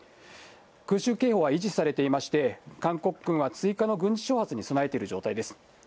空襲警報は維持されていまして、韓国軍は追加の軍事挑発に備えている状態です。